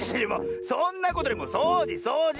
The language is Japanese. そんなことよりもそうじそうじ！